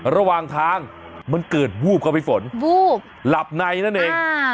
ระหว่างทางมันเกิดวูบครับพี่ฝนวูบหลับในนั่นเอง